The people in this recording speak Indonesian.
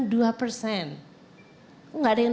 enggak ada yang tepuk tangan